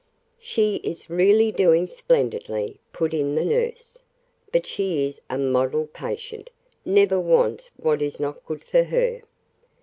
"She is really doing splendidly," put in the nurse. "But she is a model patient never wants what is not good for her."